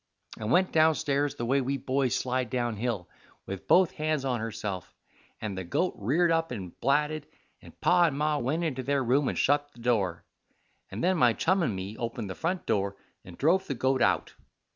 and went downstairs the way we boys slide down hill, with both hands on herself, and the goat reared up and blatted, and Pa and Ma went into their room and shut the door, and then my chum and me opened the front door and drove the goat out.